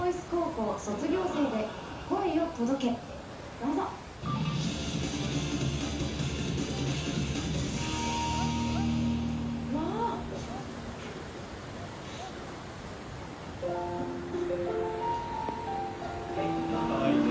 どうぞ。わぁ！かわいいね。